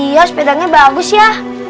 iya sepedanya bagus ya